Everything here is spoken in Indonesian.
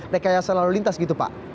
rekayasa lalu lintas gitu pak